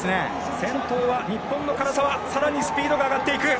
先頭は日本の唐澤さらにスピードが上がっていく！